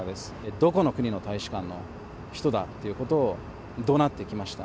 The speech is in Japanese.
どこの国の大使館の人だということをどなってきました。